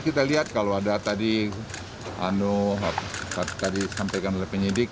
kita lihat kalau ada tadi tadi sampaikan oleh penyidik